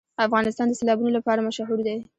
افغانستان د سیلابونه لپاره مشهور دی.